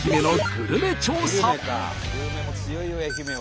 グルメも強いよ愛媛は。